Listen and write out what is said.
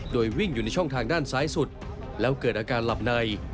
โดยวิ่งอยู่ในช่องทางด้านซ้ายสุดแล้วเกิดอาการหลับใน